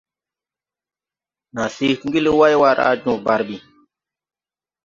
Naa se ti ngel wayway raa joo barbi.